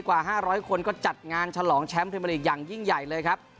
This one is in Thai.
กว่า๕๐๐คนก็จัดงานฉลองแชมป์พรีเมอร์ลีกอย่างยิ่งใหญ่เลยครับ